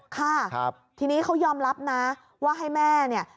ค่ะทีนี้เขายอมรับนะว่าให้แม่เนี่ย